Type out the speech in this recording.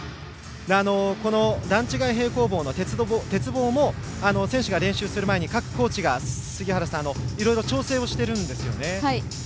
段違い平行棒の鉄棒も選手が練習する前に各コーチが杉原さんいろいろ調整しているんですよね。